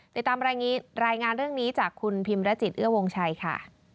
ติดตามรายงานเรื่องนี้จากคุณพิมรจิตเอื้อวงชัยค่ะ